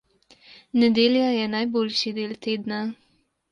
Nedelja je najboljši del tedna.